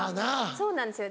そうなんですよ